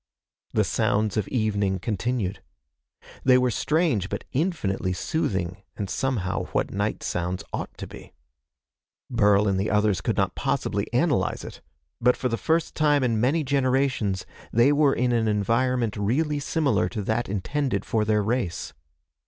The sounds of evening continued. They were strange but infinitely soothing and somehow what night sounds ought to be. Burl and the others could not possibly analyze it, but for the first time in many generations they were in an environment really similar to that intended for their race.